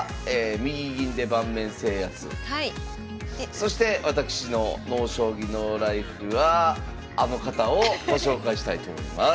そして私の「ＮＯ将棋ＮＯＬＩＦＥ」はあの方をご紹介したいと思います。